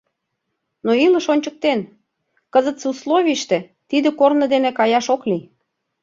Но илыш ончыктен: кызытсе условийыште тиде корно дене каяш ок лий...